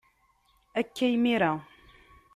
Akka imir-a.